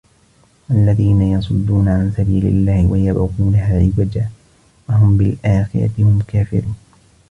الذين يصدون عن سبيل الله ويبغونها عوجا وهم بالآخرة هم كافرون